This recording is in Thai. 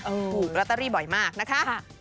ถูกลอตเตอรี่บ่อยมากนะคะ